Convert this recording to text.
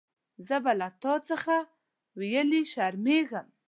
زه به له تا څخه ویلي شرمېږم.